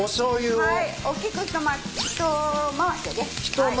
はい。